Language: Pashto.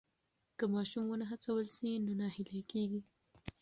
که ماشوم ونه هڅول سي نو ناهیلی کېږي.